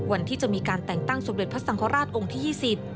วันที่จะมีการแต่งตั้งสมเด็จพระสังฆราชองค์ที่๒๐